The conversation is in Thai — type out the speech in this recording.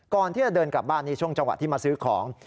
ก่อนที่จะเดินกลับบ้านในช่วงจังหวะที่มาซื้อของ